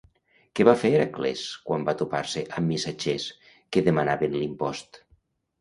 Què va fer Hèracles quan va topar-se amb missatgers que demanaven l'impost?